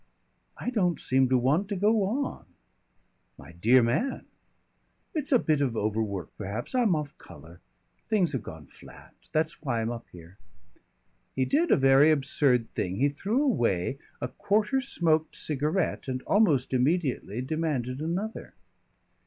"I don't seem to want to go on." "My dear man!" "It's a bit of overwork perhaps. I'm off colour. Things have gone flat. That's why I'm up here." He did a very absurd thing. He threw away a quarter smoked cigarette and almost immediately demanded another.